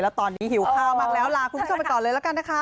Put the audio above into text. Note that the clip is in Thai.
แล้วตอนนี้หิวข้าวมากแล้วลาคุณผู้ชมไปก่อนเลยละกันนะคะ